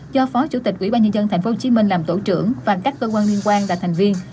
do phó chủ tịch quỹ ba nhân dân tp hcm làm tổ trưởng và các cơ quan liên quan là thành viên